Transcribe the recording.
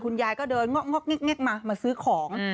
คุณยายก็เดินงอกแน็กมามาซื้อของ